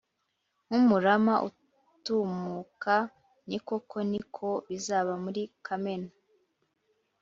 nk umurama utumuka Ni koko ni ko bizaba muri kamena